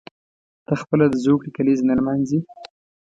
ته خپله د زوکړې کلیزه نه لمانځي.